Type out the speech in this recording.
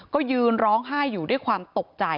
ก็ยืนร้องไห้อยู่ด้วยความตกใจ